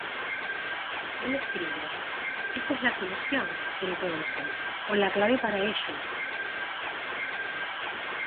El escribe: Esta es la solución, entonces, o la clave para ello.